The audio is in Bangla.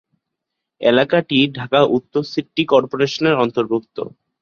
এলাকাটি ঢাকা উত্তর সিটি কর্পোরেশনের অন্তর্ভুক্ত।